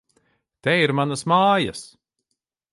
Te ir manas mājas!